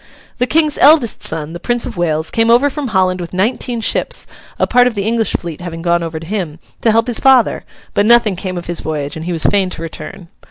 The King's eldest son, the Prince of Wales, came over from Holland with nineteen ships (a part of the English fleet having gone over to him) to help his father; but nothing came of his voyage, and he was fain to return.